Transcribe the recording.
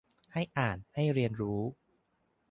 ให้อ่านให้เรียนรู้